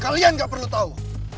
kalian gak perlu tau